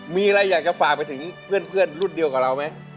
มีอะไรอยากจะฝากไปถึงเพื่อนรุ่นเดียวกับเราไหม